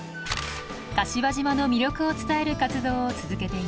柏島の魅力を伝える活動を続けています。